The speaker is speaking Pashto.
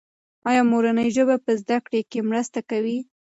ایا مورنۍ ژبه په زده کړه کې مرسته کوي؟